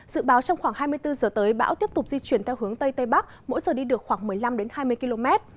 dự báo trong khoảng hai mươi bốn giờ tới bão tiếp tục di chuyển theo hướng tây tây bắc mỗi giờ đi được khoảng một mươi năm hai mươi km